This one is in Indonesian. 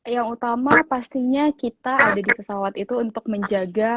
yang utama pastinya kita ada di pesawat itu untuk menjaga